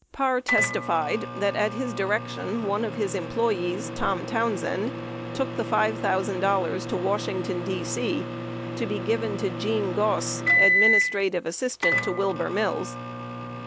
Parr testi fied that at his direction, one of his employees, Tom Townsend, took the $5,000 to Washington, D.C. to be given to Gene Goss, adminis trative assistant to Wilbur Mills.